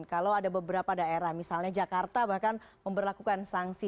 kalau ada beberapa daerah misalnya jakarta bahkan memperlakukan sanksi